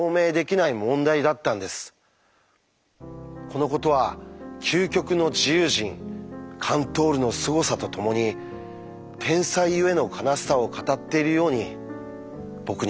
このことは究極の自由人カントールのすごさとともに天才ゆえの悲しさを語っているように僕には思えます。